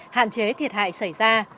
hạn chế thiệt hại xảy ra